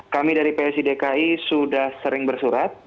kami dari psi dki sudah sering bersurat